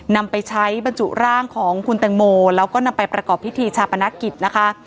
นำไปใช้บรรจุร่างของคุณแตงโมแล้วก็นำไปประกอบพิธีชาปนกิจนะคะ